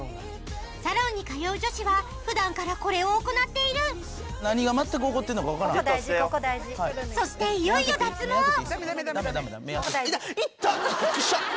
サロンに通う女子は普段からこれを行っているそしていよいよ脱毛びっくりした！